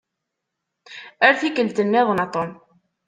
Ar tikkelt-nniḍen a Tom.